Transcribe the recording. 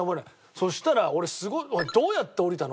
そしたら俺すごい「どうやって下りたの？」